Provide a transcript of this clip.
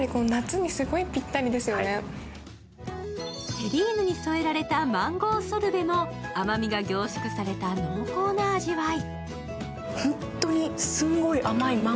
テリーヌに添えられたマンゴーソルベも甘みが凝縮された濃厚な味わい。